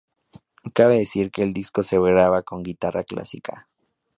Cabe decir que el disco se graba con guitarra clásica.